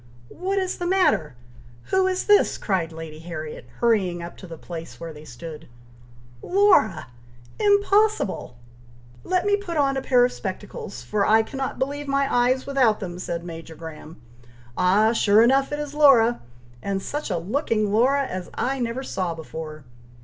"What is the matter! Who is this?" cried Lady Harriet, hurrying up to the place where they stood. "Laura!! Impossible!!!" "Let me put on a pair of spectacles, for I cannot believe my eyes without them!" said Major Graham. "Ah! sure enough it is Laura, and such a looking Laura as I never saw before.